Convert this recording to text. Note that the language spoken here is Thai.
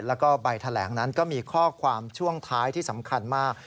แล้วก็ใบแถลงนั้นก็มีข้อความช่วงท้ายที่สำคัญมาก